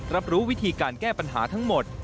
รับรู้วิธีการแก้ปัญหาทั้งหมด